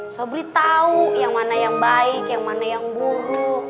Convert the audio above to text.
sobri tahu yang mana yang baik yang mana yang buruk